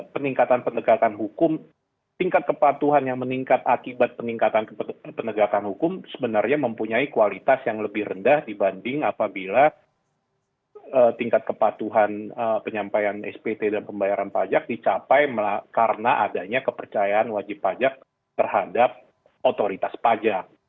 peningkatan pendegakan hukum tingkat kepatuhan yang meningkat akibat peningkatan pendegakan hukum sebenarnya mempunyai kualitas yang lebih rendah dibanding apabila tingkat kepatuhan penyampaian spt dan pembayaran pajak dicapai karena adanya kepercayaan wajib pajak terhadap otoritas pajak